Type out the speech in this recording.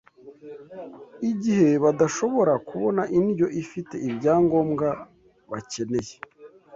igihe badashobora kubona indyo ifite ibyangombwa bakeneye